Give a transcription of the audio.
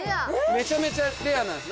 めちゃめちゃレアなんです。